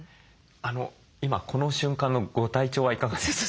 今この瞬間のご体調はいかがですか？